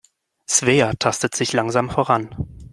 Svea tastet sich langsam voran.